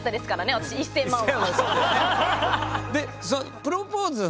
私１，０００万は。